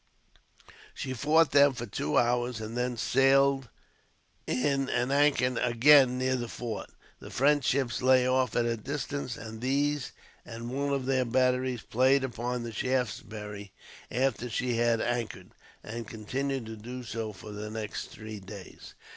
She fought them for two hours, and then sailed in and anchored again near the fort. The French ships lay off at a distance, and these and one of their batteries played upon the Shaftesbury after she had anchored, and continued to do so for the next three days.